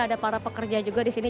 ada para pekerja juga di sini